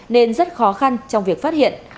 nên rất khó khăn trong việc phát hiện